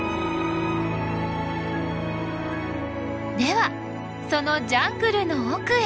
ではそのジャングルの奥へ。